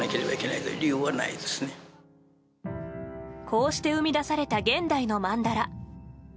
こうして生み出された現代のマンダラ。